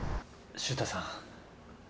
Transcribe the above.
秀太さん